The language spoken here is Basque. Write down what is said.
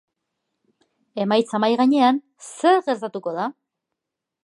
Emaitza mahai gainean, zer gertatuko da?